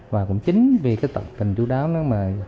và cũng chính vì cái tận tình chú đáo đó mà